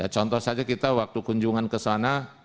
contoh saja kita waktu kunjungan ke sana